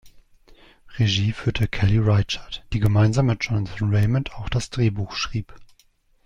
Regie führte Kelly Reichardt, die gemeinsam mit Jonathan Raymond auch das Drehbuch schrieb.